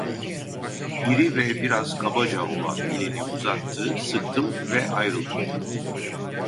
İri ve biraz kabaca olan elini uzattı, sıktım ve ayrıldım.